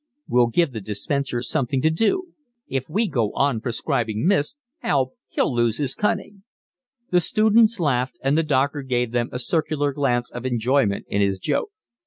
"We'll give the dispenser something to do. If we go on prescribing mist: alb: he'll lose his cunning." The students laughed, and the doctor gave them a circular glance of enjoyment in his joke.